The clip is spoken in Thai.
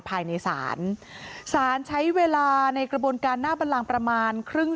ภายในศาลศาลใช้เวลาในกระบวนการหน้าบันลังประมาณครึ่ง